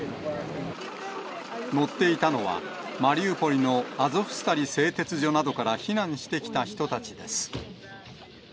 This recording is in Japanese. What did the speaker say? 乗っていたのは、マリウポリのアゾフスタリ製鉄所などから避難してきた人たちです。